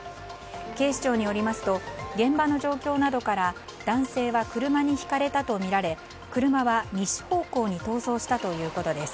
警視庁によりますと現場の状況などから男性は車にひかれたとみられ車は西方向に逃走したということです。